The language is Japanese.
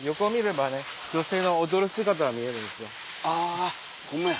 あホンマや。